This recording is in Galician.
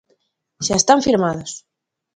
Xa están firmados.